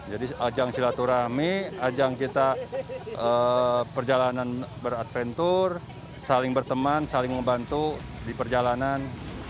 jadi ajang silaturahmi ajang kita perjalanan beradventur saling berteman saling membantu di perjalanan